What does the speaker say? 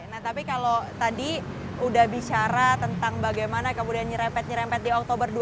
nah tapi kalau tadi udah bicara tentang bagaimana kemudian nyerepet nyerempet di oktober dua ribu dua